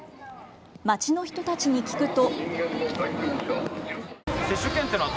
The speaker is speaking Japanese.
街の人たちに聞くと。